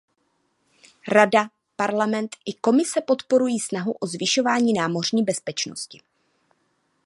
Rada, Parlament i Komise podporují snahu o zvyšování námořní bezpečnosti.